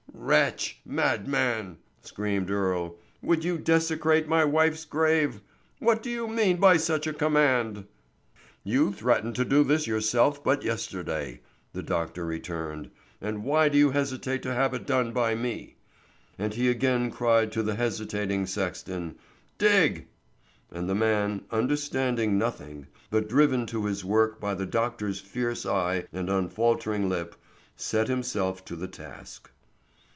"Wretch! madman!" screamed Earle, "would you desecrate my wife's grave? What do you mean by such a command?" "You threatened to do this yourself but yesterday," the doctor returned, "and why do you hesitate to have it done by me?" And he again cried to the hesitating sexton, "Dig!" and the man, understanding nothing, but driven to his work by the doctor's fierce eye and unfaltering lip, set himself to the task.